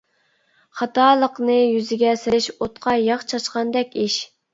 خاتالىقىنى يۈزىگە سېلىش، ئوتقا ياغ چاچقاندەك ئىش.